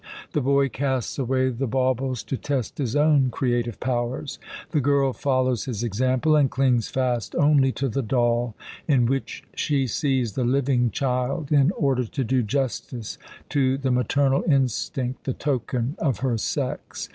The boy casts away the baubles, to test his own creative powers. The girl follows his example, and clings fast only to the doll in which she sees the living child, in order to do justice to the maternal instinct, the token of her sex.